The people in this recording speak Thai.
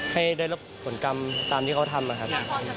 ให้ได้รับผลกรรมตามที่เขาทำนะครับ